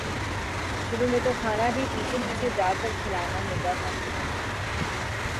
شروع میں تو کھانا بھی پیچھے پیچھے جا کر کھلانا ہوتا تھا خود